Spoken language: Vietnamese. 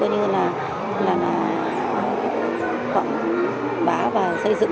như là khoảng bá và xây dựng